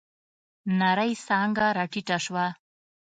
نرۍ څانگه راټيټه شوه.